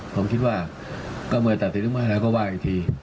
ผมคิดว่าก็เมื่อตัดสินออกมาแล้วก็ว่าอีกที